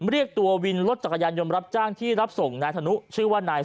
เรียกตัววินรถจักรยานยนต์รับจ้างที่รับส่งนายธนุชื่อว่านาย